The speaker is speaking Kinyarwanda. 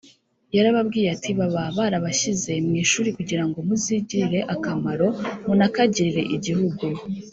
yarababwiye ati:“baba barabashyize mu ishuri kugira ngo muzigirire akamaro munakagirire igihugu.”